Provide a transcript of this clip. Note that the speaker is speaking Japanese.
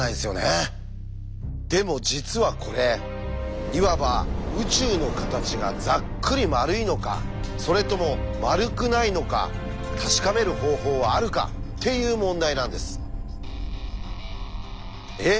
でも実はこれいわば「宇宙の形がざっくり丸いのかそれとも丸くないのか確かめる方法はあるか？」っていう問題なんです。え？